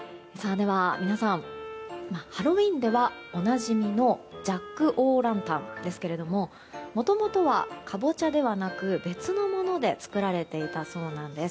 では、皆さんハロウィーンではおなじみのジャック・オー・ランタンですけれどももともとはカボチャではなく別のもので作られていたそうです。